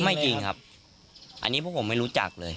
ไม่จริงครับอันนี้พวกผมไม่รู้จักเลย